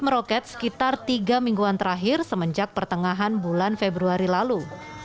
meroket sekitar tiga mingguan terakhir semenjak pertengahan bulan februari lalu